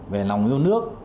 về lòng yêu nước